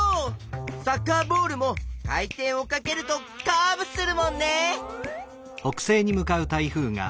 サッカーボールも回転をかけるとカーブするもんね。